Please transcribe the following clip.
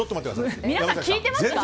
皆さん、聞いていますか？